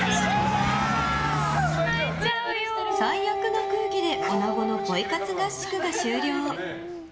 最悪な空気でおなごのポイ活合宿が終了。